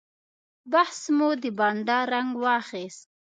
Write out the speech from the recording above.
بحث مو د بانډار رنګ واخیست.